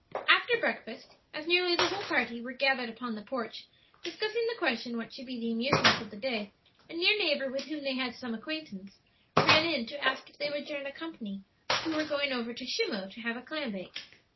After breakfast, as nearly the whole party were gathered upon the porch, discussing the question what should be the amusements of the day, a near neighbor with whom they had some acquaintance, ran in to ask if they would join a company who were going over to Shimmo to have a clam bake.